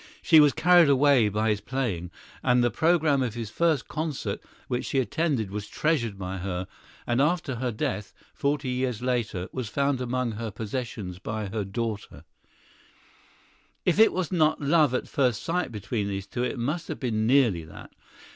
She was carried away by his playing, and the programme of his first concert which she attended was treasured by her, and after her death, forty years later, was found among her possessions by her daughter. [Illustration: Liszt at the piano.] If it was not love at first sight between these two, it must have been nearly that.